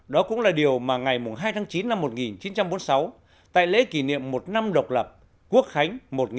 đó cũng là điều mà ngày hai tháng chín năm một nghìn chín trăm bốn mươi sáu tại lễ kỷ niệm một năm độc lập quốc khánh một nghìn chín trăm bốn mươi năm